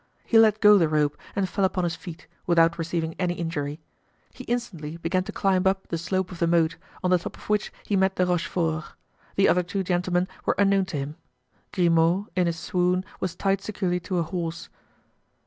He let go the rope and fell upon his feet, without receiving any injury. He instantly began to climb up the slope of the moat, on the top of which he met De Rochefort. The other two gentlemen were unknown to him. Grimaud, in a swoon, was tied securely to a horse.